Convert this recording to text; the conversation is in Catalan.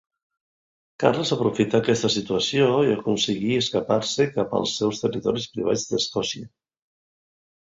Carles aprofità aquesta situació i aconseguí escapar-se cap als seus territoris privats d'Escòcia.